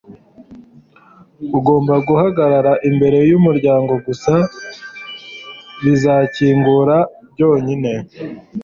ugomba guhagarara imbere yumuryango gusa. bizakingura byonyine